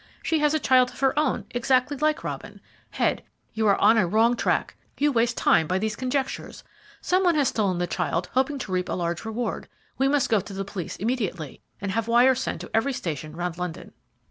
She has a child of her own exactly like Robin. Head, you are on a wrong track you waste time by these conjectures. Some one has stolen the child hoping to reap a large reward. We must go to the police immediately, and have wires sent to every station round London."